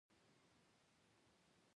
د اجماع موجودیت خبره شوې ده